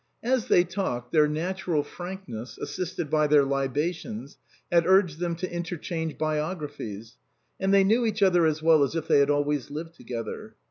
As they talked, their natural frank ness, assisted by their libations, had urged them to inter change biographies, and they knew each other as well as if they had always lived together.